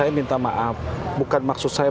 mencari kesalahan tapi agar kita bisa